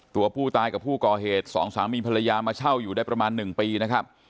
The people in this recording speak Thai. ตัวผู้ตายกับผู้ก่อเหตุสองสามีภรรยามาเช่าอยู่ได้ประมาณ๑ปีนะครับ